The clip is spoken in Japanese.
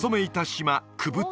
島